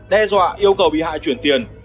đe dọa yêu cầu bị hại chuyển tiền